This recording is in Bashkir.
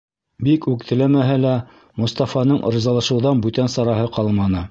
Бик үк теләмәһә лә, Мостафаның ризалашыуҙан бүтән сараһы ҡалманы.